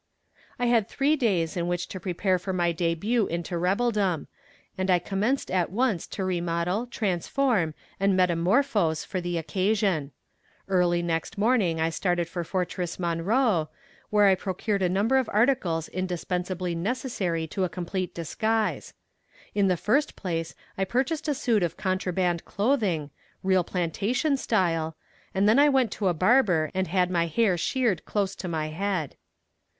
I had three days in which to prepare for my debut into rebeldom, and I commenced at once to remodel, transform and metamorphose for the occasion. Early next morning I started for Fortress Monroe, where I procured a number of articles indispensably necessary to a complete disguise. In the first place I purchased a suit of contraband clothing, real plantation style, and then I went to a barber and had my hair sheared close to my head.